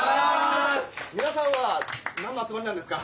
皆さんは何の集まりなんですか？